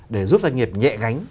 để giúp doanh nghiệp nhẹ gánh